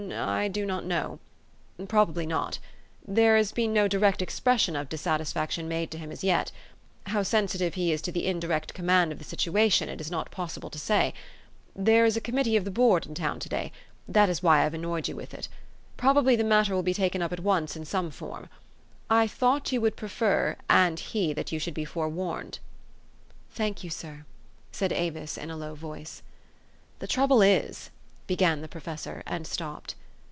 "N n I do not know. Probably not. There has been no direct expression of dissatisfaction made to him as yet. How sensitive he is to the indirect command of the situation, it is not possible to say. There is a committee of the Board in town to day : that is why I have annoyed you with it. Proba bly the matter will be taken up at once in some form. I thought you would prefer, and he, that you should be forewarned." " Thank you, sir !" said Avis in a low voice. "The trouble is" began the professor, and stopped.